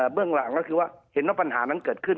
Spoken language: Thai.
เรื่องหลังก็คือว่าเห็นว่าปัญหานั้นเกิดขึ้น